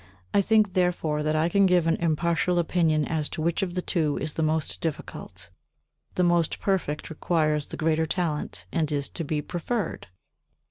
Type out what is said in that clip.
I think, therefore, that I can give an impartial opinion as to which of the two is the most difficult: the most perfect requires the greater talent, and is to be preferred.